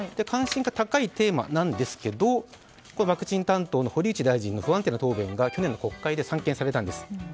関心が高いテーマですがワクチン担当の堀内大臣の不安定な答弁が去年の国会で散見されたんです。